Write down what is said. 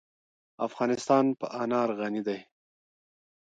افغانستان په انار غني دی.